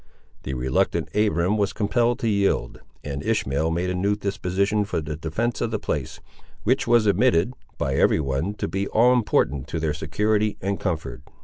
The reluctant Abiram was compelled to yield, and Ishmael made a new disposition for the defence of the place; which was admitted, by every one, to be all important to their security and comfort.